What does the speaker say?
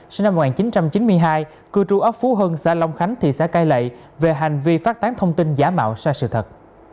sinh năm một nghìn chín trăm chín mươi hai cư trú ấp phú hưng xã long khánh thị xã cai lệ về hành vi phát tán thông tin giả mạo sai sự thật